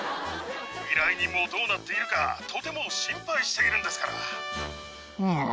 依頼人もどうなっているか、とても心配しているんですから。